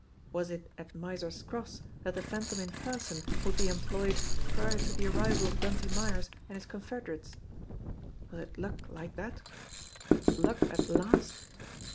Was it at Miser Scroff's that the Phantom in person would be em ployed prior to the arrival of Bunty Myers and his con federates? Was it luck like that? Luck at last!